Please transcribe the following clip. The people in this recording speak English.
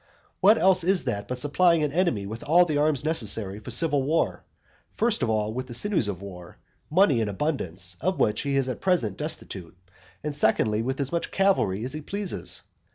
What else is that but supplying an enemy with all the arms necessary for civil war; first of all with the sinews of war, money in abundance, of which he is at present destitute, and secondly, with as much cavalry as he pleases?